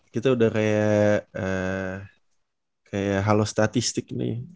kita udah kayak halo statistik nih